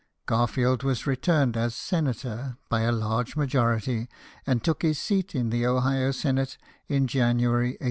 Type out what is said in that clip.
Garfield was returned as senator by a large majority, and took his seat in the Ohio Senate in January, 1860.